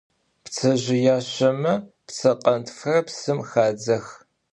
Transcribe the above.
Ptsezjıyaşşeme ptsekhentfxer psım xadzex.